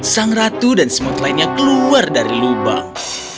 sang ratu dan semut lainnya keluar dari lubang